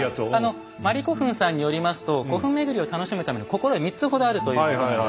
まりこふんさんによりますと古墳巡りを楽しむための心得３つほどあるということなんです。